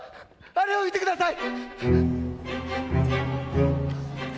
あれを見てください！」